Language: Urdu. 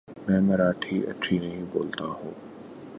میں مراٹھی اچھی نہیں بولتا ہوں ـ